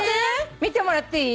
見てもらっていい？